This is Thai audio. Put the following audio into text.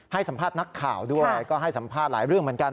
ให้สัมภาษณ์นักข่าวด้วยก็ให้สัมภาษณ์หลายเรื่องเหมือนกัน